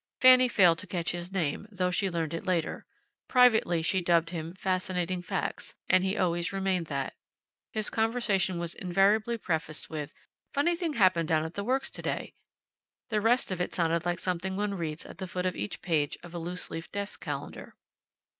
Fanny failed to catch his name, though she learned it later. Privately, she dubbed him Fascinating Facts, and he always remained that. His conversation was invariably prefaced with, "Funny thing happened down at the works to day." The rest of it sounded like something one reads at the foot of each page of a loose leaf desk calendar.